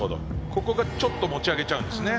ここがちょっと持ち上げちゃうんですね。